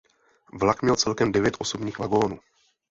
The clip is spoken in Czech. Vlak měl celkem devět osobních vagonů.